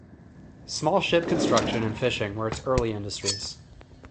Small ship construction and fishing were its early industries.